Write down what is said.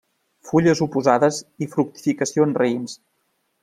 Fulles oposades i fructificació en raïms.